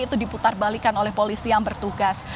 itu diputar balikan oleh polisi yang bertugas